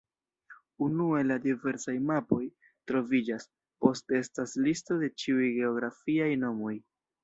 Unue la diversaj mapoj troviĝas, poste estas listo de ĉiuj geografiaj nomoj.